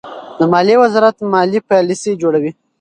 د مالیې وزارت مالي پالیسۍ جوړوي.